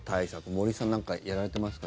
森さんなんかやられてますか？